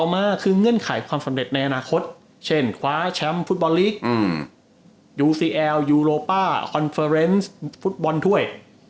มาคือเงื่อนไขความสำเร็จในอนาคตเช่นคว้าแชมป์ฟุตบอลลีกยูซีแอลยูโรป้าคอนเฟอร์เรนซ์ฟุตบอลถ้วย